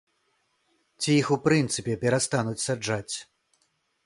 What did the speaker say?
Ці іх у прынцыпе перастануць саджаць?